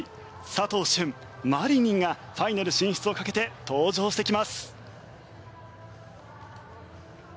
佐藤駿、マリニンがファイナル進出をかけて登場してきます。